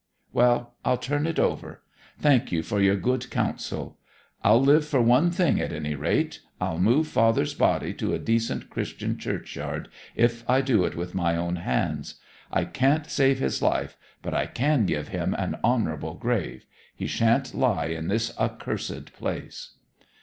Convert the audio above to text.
... Well, I'll turn it over. Thank you for your good counsel. I'll live for one thing, at any rate. I'll move father's body to a decent Christian churchyard, if I do it with my own hands. I can't save his life, but I can give him an honourable grave. He shan't lie in this accursed place!'